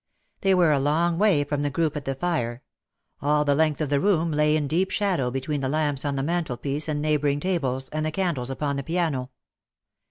They were a long way from the group at the fire — all the length of the room lay in deep shadow between the lamps on the mantelpiece and neighbouring tables, and the candles upon the piano.